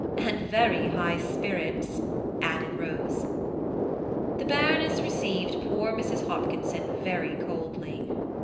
"And very high spirits," added Rose. The Baroness received poor Mrs. Hopkinson very coldly.